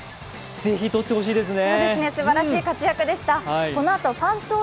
ぜひ取ってほしいですね。